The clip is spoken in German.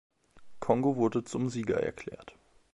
Kongo wurde zum Sieger erklärt.